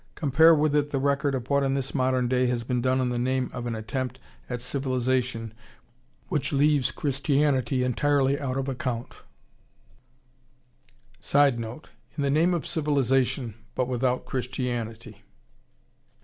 Compare with it the record of what in this modern day has been done in the name of an attempt at civilization which leaves Christianity entirely out of account. [Sidenote: In the name of civilization, but without Christianity.